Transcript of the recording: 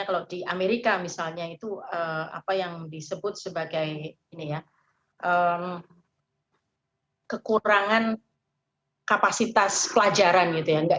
kalau di amerika misalnya itu apa yang disebut sebagai ini ya kekurangan kapasitas pelajaran gitu ya